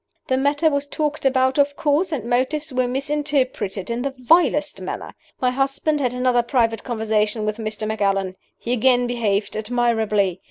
The matter was talked about, of course, and motives were misinterpreted in the vilest manner. My husband had another private conversation with Mr. Macallan. He again behaved admirably.